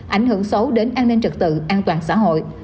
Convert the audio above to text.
ảnh hưởng xấu đến an ninh trật tự an toàn xã hội